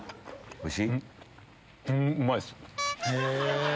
おいしい？